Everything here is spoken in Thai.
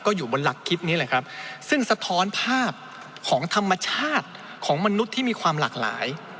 อยู่บนหลักคิดนี้แหละครับซึ่งสะท้อนภาพของธรรมชาติของมนุษย์ที่มีความหลากหลาย